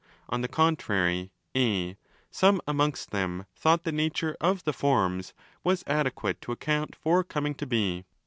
On the contrary (4) some amongst them thought the nature of 'the Forms' was τὸ adequate to account for coming to be.